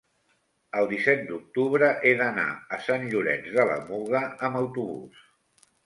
el disset d'octubre he d'anar a Sant Llorenç de la Muga amb autobús.